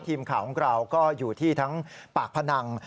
ทีมข่าวของเราก็อยู่ที่ทั้งปากพนัง